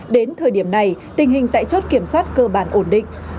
đến thời điểm này tình hình tại chốt kiểm soát cơ bản ổn định